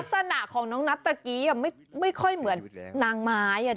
ลักษณะของน้องนัทตะกี้ไม่ค่อยเหมือนนางไม้